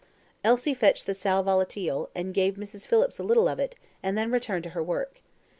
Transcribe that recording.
Elsie fetched the sal volatile, and gave Mrs. Phillips a little of it, and then returned to her work.